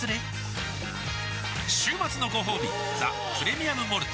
週末のごほうび「ザ・プレミアム・モルツ」